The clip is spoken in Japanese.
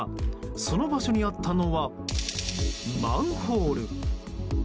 その場所にあったのはマンホール。